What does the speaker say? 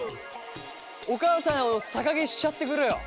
お母さんを逆毛しちゃってくれよ。